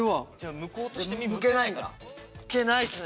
むけないっすね